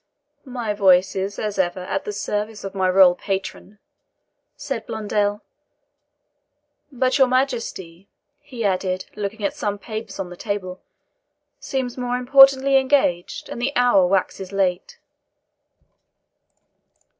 "My voice is, as ever, at the service of my royal patron," said Blondel; "but your Majesty," he added, looking at some papers on the table, "seems more importantly engaged, and the hour waxes late."